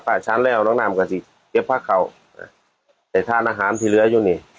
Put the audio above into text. พระอาจารย์แล้วน้องนามกะทิเก็บพระเขาในท่านอาหารที่เหลืออยู่นี่